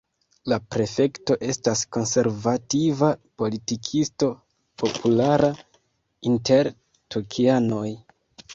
La prefekto estas konservativa politikisto populara inter tokianoj.